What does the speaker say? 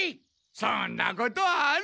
そんなことはある！